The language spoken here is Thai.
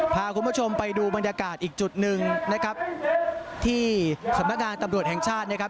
พาคุณผู้ชมไปดูบรรยากาศอีกจุดหนึ่งนะครับที่สำนักงานตำรวจแห่งชาตินะครับ